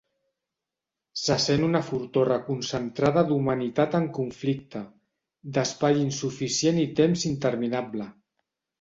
Se sent una fortor reconcentrada d'humanitat en conflicte, d'espai insuficient i temps interminable.